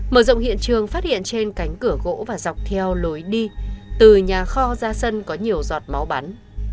mở rộng hiện trường phát hiện trên cánh cửa gỗ và dọc theo lối đi từ nhà kho ra sân có nhiều giọt máu bắn